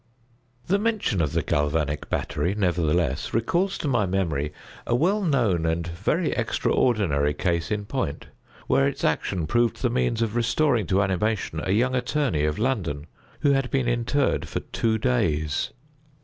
The mention of the galvanic battery, nevertheless, recalls to my memory a well known and very extraordinary case in point, where its action proved the means of restoring to animation a young attorney of London, who had been interred for two days.